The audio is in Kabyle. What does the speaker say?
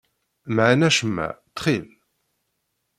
Mɛen acemma, ttxil.